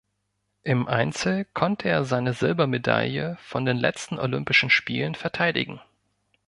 Im Einzel konnte er seine Silbermedaille von den letzten Olympischen Spielen verteidigen.